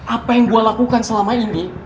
apa yang gue lakukan selama ini